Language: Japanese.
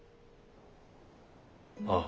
ああ。